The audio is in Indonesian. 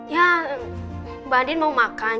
ya mbak din mau makan